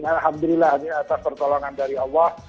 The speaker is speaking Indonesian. alhamdulillah ini atas pertolongan dari allah